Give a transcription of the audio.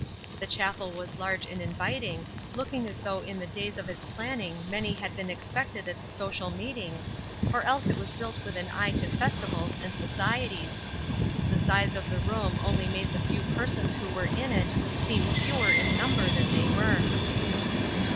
The chapel was large and inviting, looking as though in the days of its planning many had been expected at the social meetings, or else it was built with an eye to festivals and societies. The size of the room only made the few persons who were in it, seem fewer in number than they were.